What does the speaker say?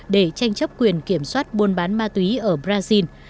để tranh chấp quyền kiểm soát buôn bán ma túy ở brazil